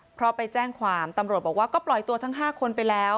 เพราะไปแจ้งความตำรวจบอกว่าก็ปล่อยตัวทั้ง๕คนไปแล้ว